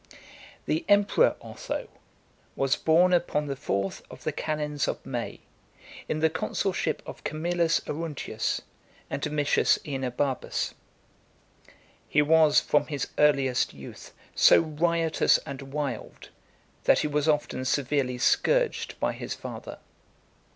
II. The emperor Otho was born upon the fourth of the calends of May [28th April], in the consulship of Camillus Aruntius and Domitius Aenobarbus . He was from his earliest youth so riotous and wild, that he was often severely scourged by his father.